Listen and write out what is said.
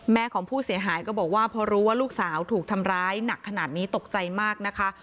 ของผู้เสียหายก็บอกว่าพอรู้ว่าลูกสาวถูกทำร้ายหนักขนาดนี้ตกใจมากนะคะ